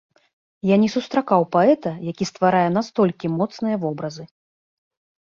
Я не сустракаў паэта, які стварае настолькі моцныя вобразы.